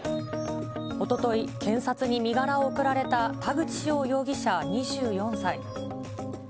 おととい、検察に身柄を送られた、田口翔容疑者２４歳。